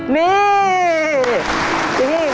นี่ครับ